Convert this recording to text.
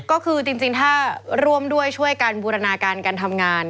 ก็คือจริงถ้าร่วมด้วยช่วยกันบูรณาการการทำงาน